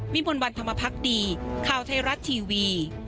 วิมวลวันธรรมพักษ์ดีข่าวไทยรัตน์ทีวี